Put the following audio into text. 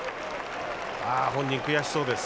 ああ本人悔しそうです。